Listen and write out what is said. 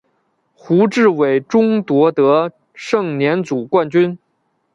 胡志伟中夺得盛年组冠军。